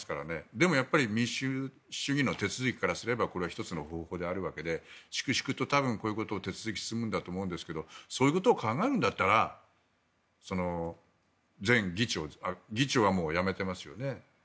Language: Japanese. でも民主主義の手続きからすればこれは１つの方法であるわけで粛々と、こういう手続きが進むんだと思いますがそういうことを考えるんだったら前議長議長はもう辞めてますよね。